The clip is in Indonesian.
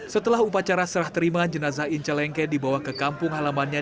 setelah upacara serah terima jenazah ince lengke dibawa ke kampung halamannya